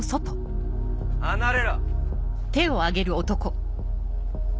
離れろ！